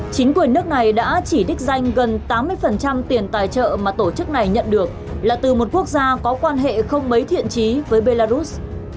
chính quyền nước này đã chỉ đích danh gần tám mươi tiền tài trợ mà tổ chức này nhận được là từ một quốc gia có quan hệ không mấy thiện trí với belarus